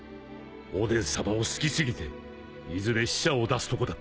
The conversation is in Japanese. おでんさまを好きすぎていずれ死者を出すとこだった